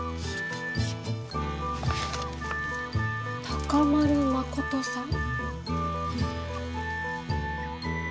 高丸誠さん？